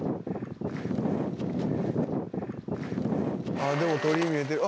ああでも鳥居見えてる。